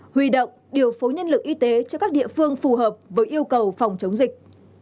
huy động điều phối nhân lực y tế cho các địa phương phù hợp với yêu cầu phòng chống dịch